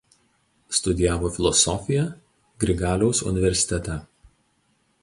Studijavo filosofiją Grigaliaus universitete.